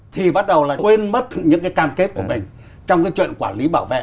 thì bắt đầu là êm mất những cái cam kết của mình trong cái chuyện quản lý bảo vệ